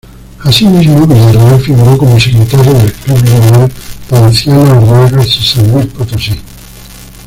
Asimismo Villarreal figuró como secretario del club liberal Ponciano Arriaga de San Luis Potosí.